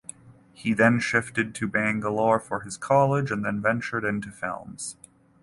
He then shifted to Bangalore for his college and then ventured into films.